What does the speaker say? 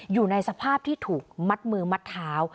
อยู่ในสภาพที่ถูกมัดมือมัดเท้า